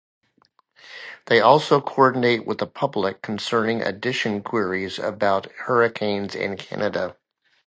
They also coordinate with the public concerning addition queries about hurricanes in Canada.